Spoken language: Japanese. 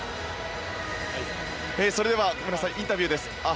それでは武良選手インタビューです。